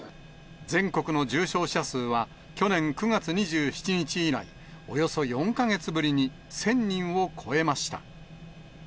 全国の重症者数は、去年９月２７日以来、およそ４か月ぶりに１０００人を超えました。